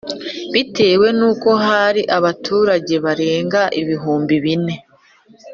bitewe nuko hari abaturage barenga ibihumbi bine